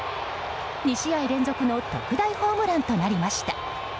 ２試合連続の特大ホームランとなりました。